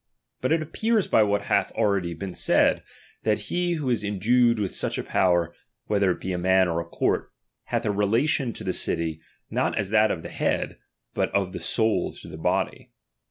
But it appears by what hath™™"' been already said, that he who is endued with such a power, whether it be a man or a court, hath a relation to the city, not as that of the head, but of the soul to the body.